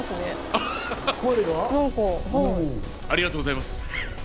ありがとうございます。